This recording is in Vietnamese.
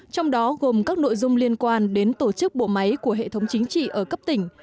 trong đó gồm các nội dung liên quan đến tổ chức bộ máy của hệ thống chính trị ở cấp tỉnh